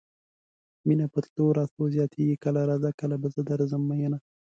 مينه په تلو راتلو زياتيږي کله راځه کله به زه درځم مينه